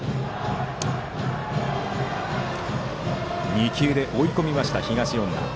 ２球で追い込みました、東恩納。